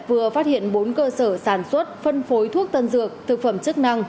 vừa phát hiện bốn cơ sở sản xuất phân phối thuốc tân dược thực phẩm chức năng